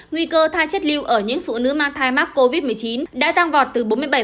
nguy cơ tha chết lưu ở những phụ nữ mang thai mắc covid một mươi chín đã tăng vọt từ bốn mươi bảy